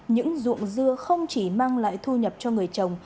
những ruộng dưa không chỉ mang lại thu nhập cho người trồng